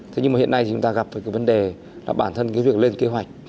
thế nhưng mà hiện nay thì chúng ta gặp phải cái vấn đề là bản thân cái việc lên kế hoạch